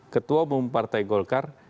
ketua bumuh partai golkar